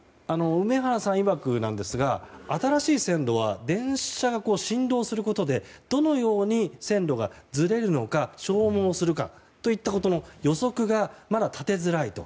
梅原さんいわくですが新しい線路は電車が振動することでどのように線路がずれるのか消耗するかといったことの予測がまだ立てづらいと。